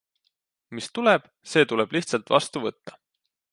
Mis tuleb, see tuleb lihtsalt vastu võtta.